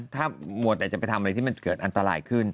ถ้ามัวแต่จะไปทำอะไรที่มันเกิดอันตรายขึ้น